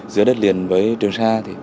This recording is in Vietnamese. giữa đất liền với trần sa